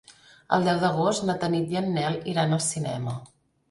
El deu d'agost na Tanit i en Nel iran al cinema.